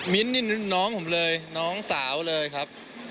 มิ้นท์นี่น้องผมเลยน้องสาวเลยครับ